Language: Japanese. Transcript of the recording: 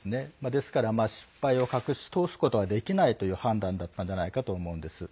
ですから、失敗を隠し通すことはできないという判断だったんじゃないかと思うんです。